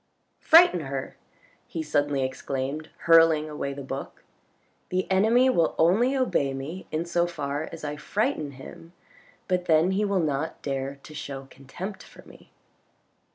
" Frighten her !" he suddenly exclaimed, hurling away the book. " The enemy will only obey me in so far as I frighten him, but then he will not dare to show contempt for me."